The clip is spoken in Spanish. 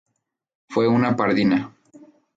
Fue una pardina.